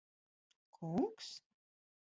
Kungs?